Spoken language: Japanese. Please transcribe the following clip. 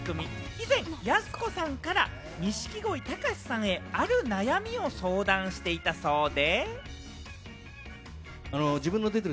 以前、やす子さんから錦鯉・隆さんへ、ある悩みを相談していたそうで。